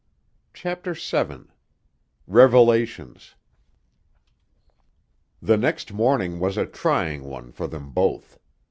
CHAPTER VII Revelations The next morning was a trying one for them both.